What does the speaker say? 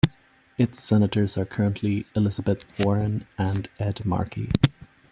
Its senators are currently Elizabeth Warren and Ed Markey.